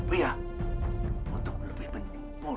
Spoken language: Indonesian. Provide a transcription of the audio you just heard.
dasar penggemis di lantung diri